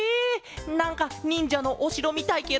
なんかにんじゃのおしろみたいケロ！